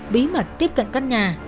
bí mật tiếp cận căn nhà